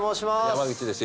山口です